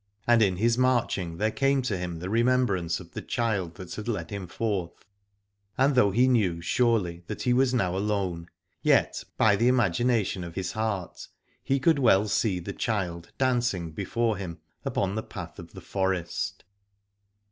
And in his marching there came to him the remembrance of the child that had led him forth, and though he knew surely that he was now alone, yet, by the imagina tion of his heart, he could well see the child dancing before him upon the path of the forest.